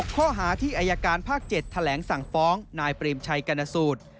ข้อหาที่อายการภาค๗แถลงสั่งฟ้องนายเปรมชัยกรณสูตร